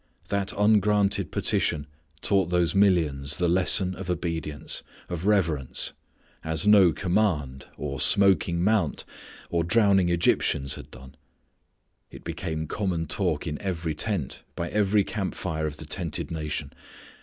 That ungranted petition taught those millions the lesson of obedience, of reverence, as no command, or smoking mount, or drowning Egyptians had done. It became common talk in every tent, by every camp fire of the tented nation.